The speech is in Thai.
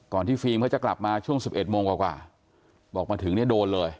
ที่ฟิล์มเขาจะกลับมาช่วง๑๑โมงกว่าบอกมาถึงเนี่ยโดนเลย